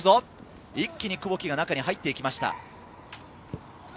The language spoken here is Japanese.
久保木が中に入ってきました。